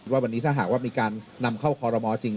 ว่าวันนี้ถ้าหากว่ามีการนำเข้าคอรมอลจริง